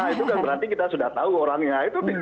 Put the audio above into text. nah itu kan berarti kita sudah tahu orangnya